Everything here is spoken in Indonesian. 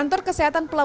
kantor kesehatan pembang